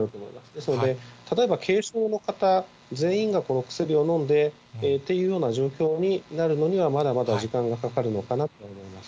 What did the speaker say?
ですので、例えば軽症の方全員がこの薬を飲んでというような状況になるのには、まだまだ時間がかかるのかなと思います。